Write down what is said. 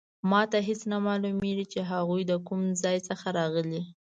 ما ته هیڅ نه معلومیږي چې هغوی د کوم ځای څخه راغلي